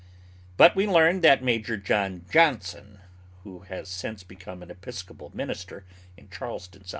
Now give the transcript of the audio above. But we learned that Major John Johnson, who has since become an Episcopal minister, in Charleston, S.C.